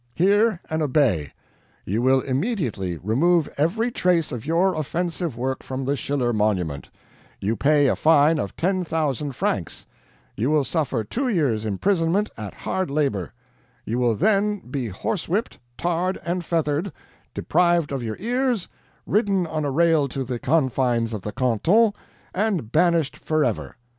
Hear and obey: You will immediately remove every trace of your offensive work from the Schiller monument; you pay a fine of ten thousand francs; you will suffer two years' imprisonment at hard labor; you will then be horsewhipped, tarred and feathered, deprived of your ears, ridden on a rail to the confines of the canton, and banished forever.